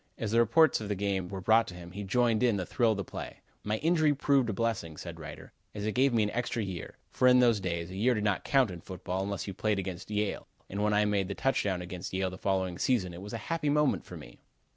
As the reports of the game were brought to him, he joined in the thrill of the play. "My injury proved a blessing," says Reiter, "as it gave me an extra year, for in those days a year did not count in football, unless you played against Yale, and when I made the touchdown against Yale the following season, it was a happy moment for me."